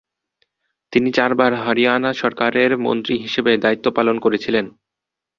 তিনি চারবার হরিয়ানা সরকারের মন্ত্রী হিসেবে দায়িত্ব পালন করেছিলেন।